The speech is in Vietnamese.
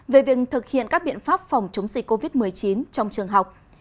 về việc thực hiện các biện pháp phòng chống dịch covid một mươi chín trong trường học